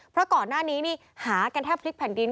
เพราะก่อนหน้านี้นี่หากันแทบพลิกแผ่นดิน